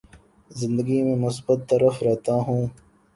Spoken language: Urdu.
زندگی میں مثبت طرف رہتا ہوں